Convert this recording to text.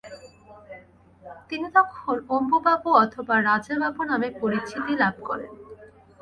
তিনি তখন অম্বু বাবু অথবা রাজা বাবু নামে পরিচিতি লাভ করেন।